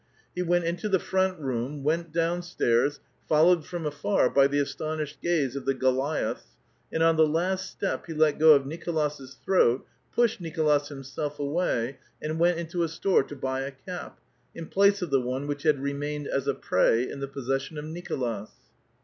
He went into the front room, went down stairs, followed from afar by the astonished gaze of the Goiiaths, and on the last step he let go of Nicohis* throat, pushed Nicolas himself away, and went into a store to buy a cap, in plafre of the one which had remained as a prey in the |K)ssession of Nicolas.